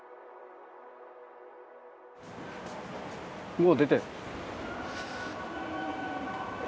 もう出てる。